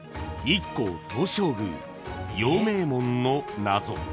［日光東照宮陽明門の謎］